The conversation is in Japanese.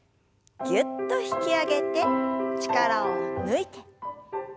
ぎゅっと引き上げて力を抜いて。